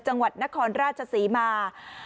จังหวัดนครราชศรีมา